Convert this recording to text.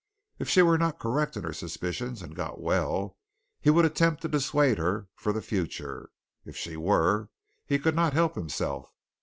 If she were not correct in her suspicions, and got well, he would attempt to dissuade her for the future. If she were, he could not help himself.